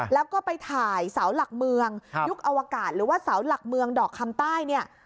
แล้วก็ไปถ่ายเสาหลักเมืองยุคอวกาศหรือว่าเสาหลักเมืองดอกคำใต้เนี่ย